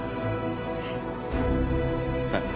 はい。